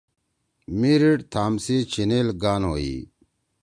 میِریِڈ تھام سی چھیِنیل گان ہوئی۔